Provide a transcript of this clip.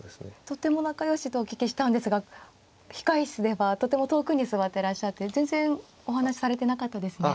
とても仲良しとお聞きしたんですが控え室ではとても遠くに座ってらっしゃって全然お話しされてなかったですね。